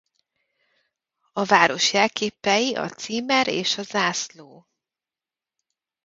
A város jelképei a címer és a zászló.